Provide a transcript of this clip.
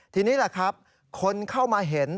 ทีนี้แหละครับคนเข้ามาเห็น